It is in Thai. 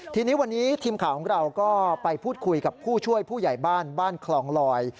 ทีนี้วันนี้ทีมข่าวของเราก็ไปพูดคุยกับผู้ช่วยผู้ใหญ่บ้านบ้านคลองลอย